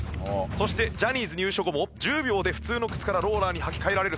そしてジャニーズ入所後も１０秒で普通の靴からローラーに履き替えられるそうです。